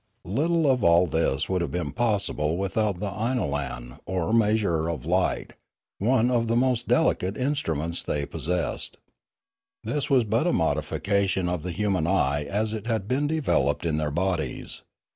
Little of all this would have been possible without the inolan or measurer of light, one of the most delicate instruments they possessed. This was but a modifica tion of the human eye as it had been developed in their bodies.